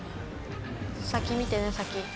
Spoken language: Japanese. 先見てね先。